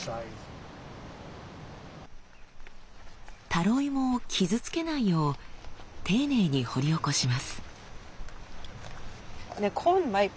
タロイモを傷つけないよう丁寧に掘り起こします。